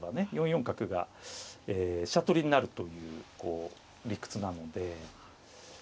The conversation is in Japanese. ４四角が飛車取りになるという理屈なので。